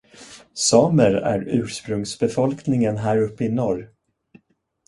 Samer är ursprungsbefolkningen här uppe i norr.